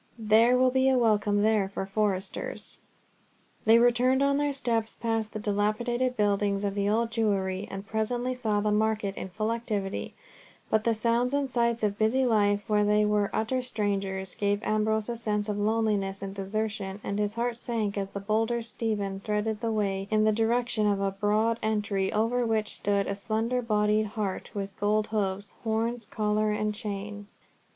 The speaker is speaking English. There will be a welcome there for foresters." They returned on their steps past the dilapidated buildings of the old Jewry, and presently saw the market in full activity; but the sounds and sights of busy life where they were utter strangers, gave Ambrose a sense of loneliness and desertion, and his heart sank as the bolder Stephen threaded the way in the direction of a broad entry over which stood a slender bodied hart with gold hoofs, horns, collar, and chain.